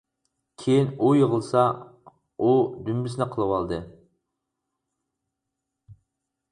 كېيىن، ئۇ يىغلىسا، ئۇ دۈمبىسىنى قىلىۋالدى.